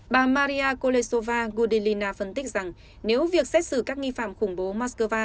bà maria koresova gudelina phân tích rằng nếu việc xét xử các nghi phạm khủng bố moscow